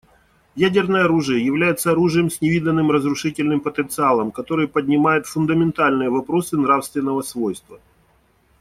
Ядерное оружие является оружием с невиданным разрушительным потенциалом, который поднимает фундаментальные вопросы нравственного свойства.